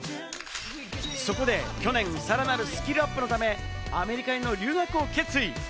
そこで去年、さらなるスキルアップのため、アメリカへの留学を決意。